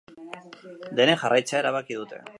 Denek jarraitzea erabaki dute.